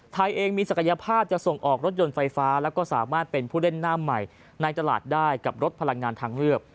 ไทยเองมีศักยภาพจะส่งออกรถยนต์ไฟฟ้าแล้วก็สามารถเป็นผู้เล่นหน้าใหม่ในตลาดได้กับรถพลังงานทางเลือก